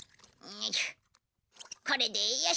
これでよし！